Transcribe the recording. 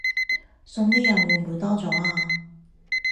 送呢樣會唔會多咗呀？